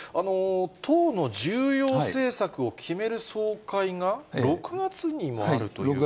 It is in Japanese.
党の重要政策を決める総会が、６月にもあるということですね。